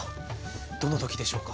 どの時でしょうか？